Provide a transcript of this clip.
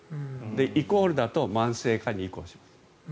イコールだと慢性化に移行します。